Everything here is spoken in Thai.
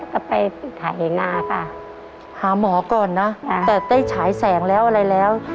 ก็ไปถ่ายเหงาค่ะหาหมอก่อนนะแต่ได้ฉายแสงแล้วอะไรแล้ว